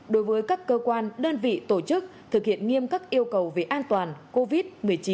đối với các cơ quan đơn vị tổ chức thực hiện nghiêm các yêu cầu về an toàn covid một mươi chín